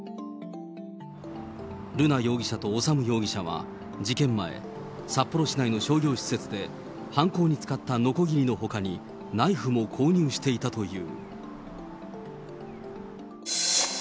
瑠奈容疑者と修容疑者は、事件前、札幌市内の商業施設で犯行に使ったのこぎりのほかに、ナイフも購入していたという。